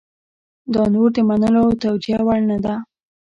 دا نور د منلو او توجیه وړ نه ده.